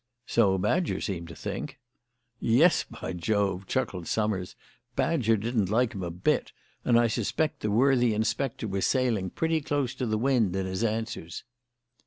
"So Badger seemed to think." "Yes, by Jove," chuckled Summers, "Badger didn't like him a bit; and I suspect the worthy inspector was sailing pretty close to the wind in his answers."